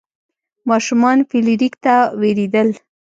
ماشومان فلیریک ته ویرېدل.